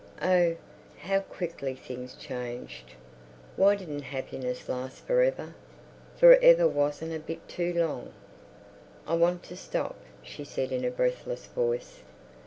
Oh, how quickly things changed! Why didn't happiness last for ever? For ever wasn't a bit too long. "I want to stop," she said in a breathless voice.